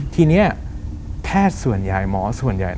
ทีนี้แท่ส่วนยายหมอส่วนยาย